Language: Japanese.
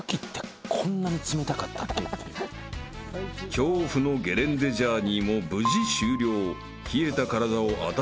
［恐怖のゲレンデジャーニーも無事終了］